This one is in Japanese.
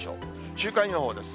週間予報です。